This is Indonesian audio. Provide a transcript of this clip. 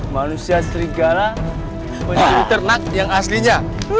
manusia serigala menjadi ternak yang aslinya